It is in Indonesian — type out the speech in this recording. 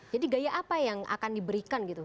jadi gaya apa yang akan diberikan gitu